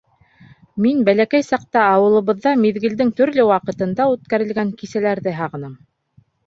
Мин бәләкәй саҡта ауылыбыҙҙа миҙгелдең төрлө ваҡытында үткәрелгән кисәләрҙе һағынам.